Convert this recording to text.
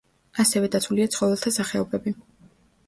ასევე დაცულია ცხოველთა სახეობები.